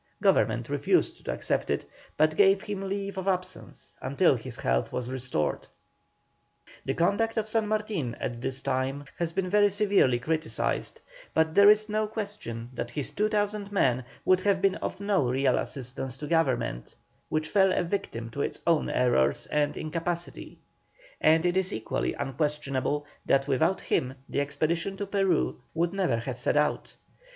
Government refused to accept it, but gave him leave of absence until his health was restored. The conduct of San Martin at this time has been very severely criticised, but there is no question that his 2,000 men would have been of no real assistance to Government, which fell a victim to its own errors and incapacity; and it is equally unquestionable that without him the expedition to Peru would never have set out.